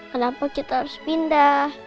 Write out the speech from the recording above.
kenapa kita harus pindah